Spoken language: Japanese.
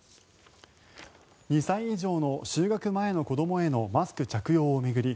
２歳以上の就学前の子どもへのマスク着用を巡り